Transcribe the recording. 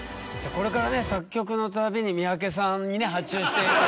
これからね作曲のたびに三宅さんにね発注していただいて。